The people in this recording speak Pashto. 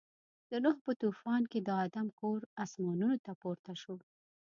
د نوح په طوفان کې د آدم کور اسمانو ته پورته شو.